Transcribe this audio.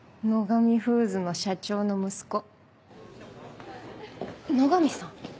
野上フーズの社長の息子野上さん。